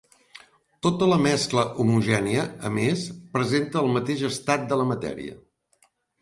Tota la mescla homogènia a més, presenta el mateix estat de la matèria.